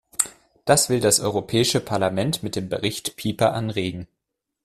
Das will das Europäische Parlament mit dem Bericht Pieper anregen.